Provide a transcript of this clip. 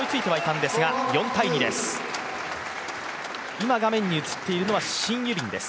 今、画面に映っているのはシン・ユビンです。